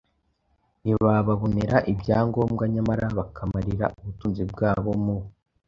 ntibababonere ibyangombwa nyamara bakamarira ubutunzi bwabo mu